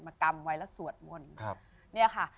กำไว้แล้วสวดมนต์ครับเนี่ยค่ะ